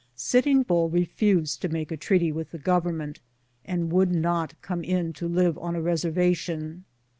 Sitting Bull refused to make a treaty with the Gov ernment, and would not come in to live on a reserva tion.